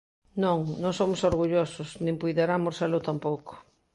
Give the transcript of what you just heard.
Non: non somos orgullosos, nin puideramos selo tampouco.